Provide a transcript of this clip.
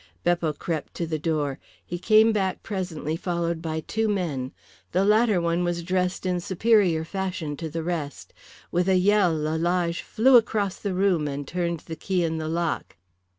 Beppo crept to the door. He came back presently followed by two men. The latter one was dressed in superior fashion to the rest. With a yell Lalage flew across the room and turned the key in the lock.